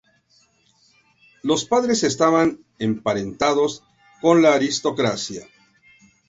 Los padres estaban emparentados con la aristocracia.